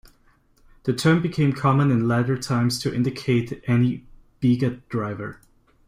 The term became common in latter times to indicate any "biga" driver.